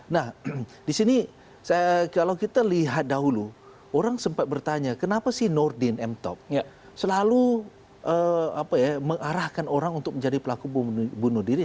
nah di sini kalau kita lihat dahulu orang sempat bertanya kenapa sih nurdin m top selalu mengarahkan orang untuk menjadi pelaku bunuh diri